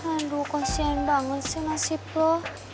aduh kasihan banget sih nasib lu